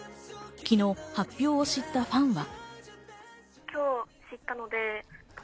昨日、発表を知ったファンは。